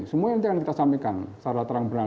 semua yang nanti akan kita sampaikan secara terang benar